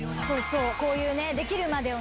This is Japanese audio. こういうできるまでを。